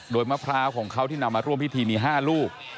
โดยมะพร้าวของเขาที่นำมาร่วมพิธีมี๕ลูก